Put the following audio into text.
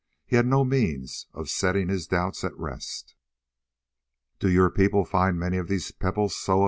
he had no means of setting his doubts at rest. "Do your people find many of these pebbles, Soa?"